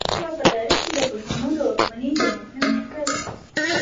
دا سیمه په تاریخ کې د پښتنو د واکمنۍ یو مهم مرکز و